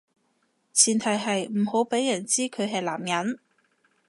前提係唔好畀人知佢係男人